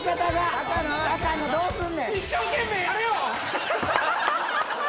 高野どうすんねん？